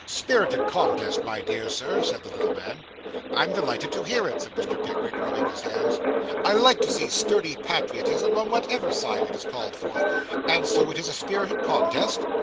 'Spirited contest, my dear sir,' said the little man. 'I'm delighted to hear it,' said Mr. Pickwick, rubbing his hands. 'I like to see sturdy patriotism, on whatever side it is called forth and so it's a spirited contest?